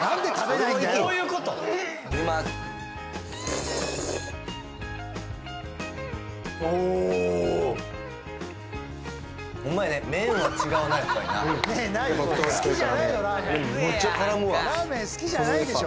ラーメンラーメン好きじゃないでしょ